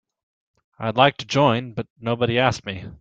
I'd like to join but nobody asked me.